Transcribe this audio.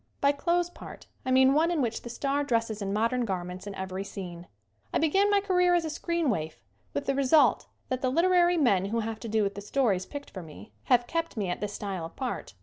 By clothes part I mean one in which the star dresses in modern garments in every scene. I began my career as a screen waif with the result that the liter ary men who have to do with the stories picked for me, have kept me at this style of part.